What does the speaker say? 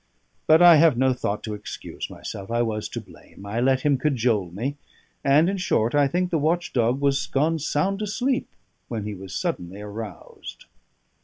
But I have no thought to excuse myself. I was to blame; I let him cajole me, and, in short, I think the watch dog was gone sound asleep, when he was suddenly aroused.